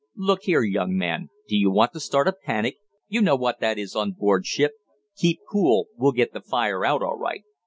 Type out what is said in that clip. "Look here young man, do you want to start a panic? You know what that is on board ship. Keep cool, we'll get the fire out all right."